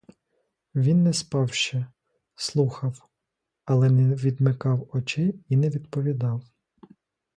Він не спав ще, слухав, але не відмикав очей і не відповідав.